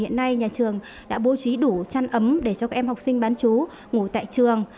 hiện nay nhà trường đã bố trí đủ chăn ấm để cho các em học sinh bán chú ngủ tại trường